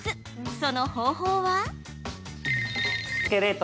その方法は？